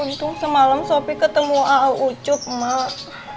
untung semalam sopi ketemu a'a ucup mak